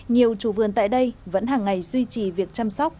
nhiều chủ vườn tại đây vẫn hàng ngày duy trì việc chăm sóc